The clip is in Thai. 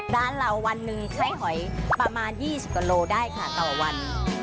ร้านเราวันหนึ่งใช้หอยประมาณ๒๐กว่าโลได้ค่ะต่อวัน